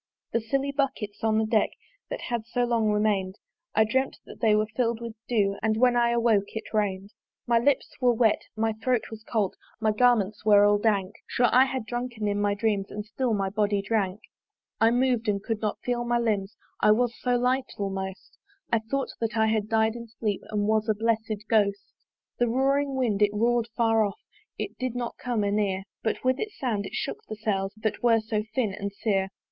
The silly buckets on the deck That had so long remain'd, I dreamt that they were fill'd with dew And when I awoke it rain'd. My lips were wet, my throat was cold, My garments all were dank; Sure I had drunken in my dreams And still my body drank. I mov'd and could not feel my limbs, I was so light, almost I thought that I had died in sleep, And was a blessed Ghost. The roaring wind! it roar'd far off, It did not come anear; But with its sound it shook the sails That were so thin and sere.